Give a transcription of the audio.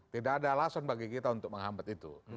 tidak ada alasan bagi kita untuk menghambat itu